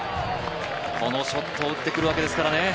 このショットを打ってくるわけですからね。